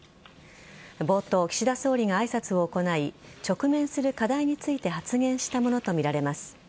冒頭、岸田総理が挨拶を行い直面する課題について発言したものとみられます。